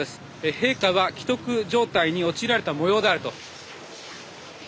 陛下は危篤状態に陥られたもようであると。